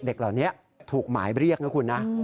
เด็กเหล่านี้ถูกหมายเรียกนะคุณนะ